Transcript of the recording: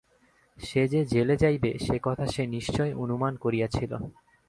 সে যে জেলে যাইবে সে কথা সে নিশ্চয় অনুমান করিয়াছিল।